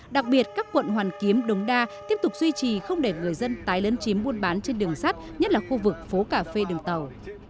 đặc biệt các quận hoàn kiếm đống đa tiếp tục duy trì không để người dân tái lấn chiếm buôn bán trên đường sắt nhất là khu vực phố cà phê đường tàu